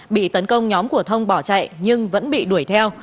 bị tấn công nhóm của thông bỏ chạy nhưng vẫn bị đuổi theo